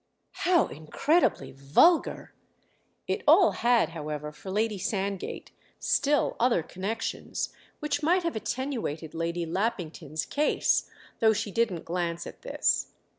"How incredibly vulgar!" It all had, however, for Lady Sandgate, still other connections—which might have attenuated Lady Lappington's case, though she didn't glance at this.